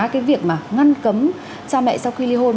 cái việc mà ngăn cấm cha mẹ sau khi ly hôn